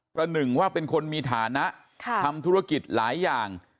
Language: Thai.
หนึ่งว่าเป็นคนมีฐานะทำธุรกิจหลายอย่าง